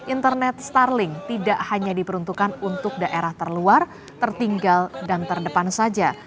internet starling tidak hanya diperuntukkan untuk daerah terluar tertinggal dan terdepan saja